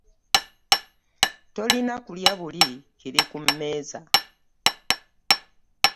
Tolina kulya buli kiri ku mmeeza.